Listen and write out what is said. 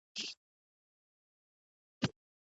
که ئې په جوړ حالت کي طلاق ورکړ، نو طلاق ئې واقع کيږي.